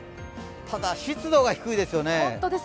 ただ湿度が低いですよね。